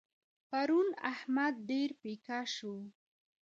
پرون احمد ډېر پيکه شو.